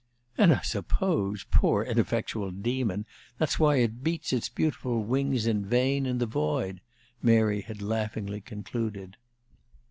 "And I suppose, poor, ineffectual demon, that's why it beats its beautiful wings in vain in the void," Mary had laughingly concluded.